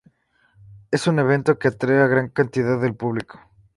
Es un evento que atrae a gran cantidad de público.